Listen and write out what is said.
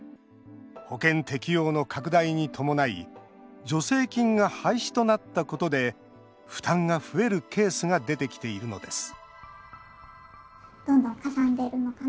保険適用の拡大に伴い助成金が廃止となったことで負担が増えるケースが出てきているのです